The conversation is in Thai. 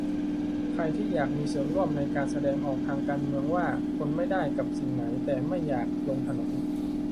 ใครที่อยากมีส่วนร่วมในการแสดงออกทางการเมืองว่า ทนไม่ได้กับสิ่งไหน แต่ไม่อยาก "ลงถนน"